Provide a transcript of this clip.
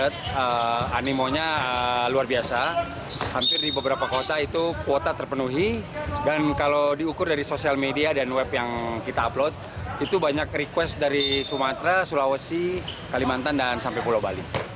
dan bola berukuran tujuh dan pesertanya hanya pria